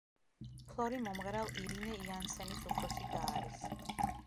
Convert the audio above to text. ფლორი მომღერალ ირინე იანსენის უფროსი და არის.